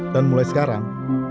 dan mulai sekarang